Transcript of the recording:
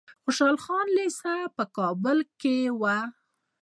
خوشحال خان لیسه په کابل کې وه.